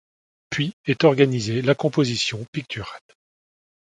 Puis est organisée la composition picturale.